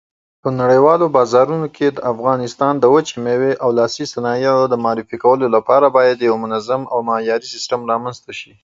په نړيوالو بازارونو کې د افغانستان د وچې مېوې او لاسي صنايعو د معرفي کولو لپاره بايد يو منظم او معياري سيستم رامنځته شي